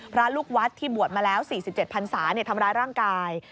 พระลูกวัดที่บวชมาแล้ว๔๗พันศาทำร้ายร่างกาย